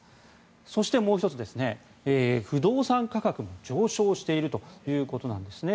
そしてもう１つ、不動産価格も上昇しているということです。